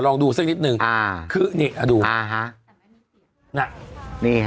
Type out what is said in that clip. ลองดูสินิดหนึ่งอ่าคือนี่เอาดูอ่าฮะนี่ฮะนี่ฮะ